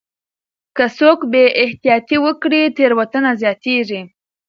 که څوک بې احتياطي وکړي تېروتنه زياتيږي.